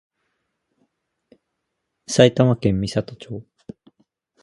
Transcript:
埼玉県美里町